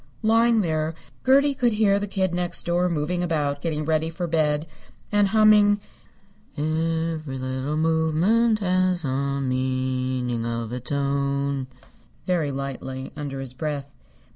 Lying there Gertie could hear the Kid Next Door moving about getting ready for bed and humming "Every Little Movement Has a Meaning of Its Own" very lightly, under his breath.